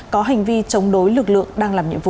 có hành vi chống đối lực lượng đang làm nhiệm vụ